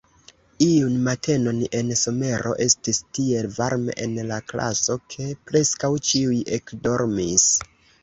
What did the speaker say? Iun matenon en somero, estis tiel varme en la klaso, ke preskaŭ ĉiuj ekdormis.